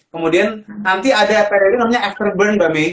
kemudian nanti ada periode namanya after burn mbak may